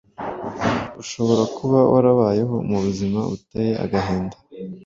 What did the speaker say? Ushobora kuba warabayeho mu buzima buteye agahinda,